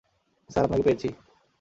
Sir, আপনাকে পেয়েছি।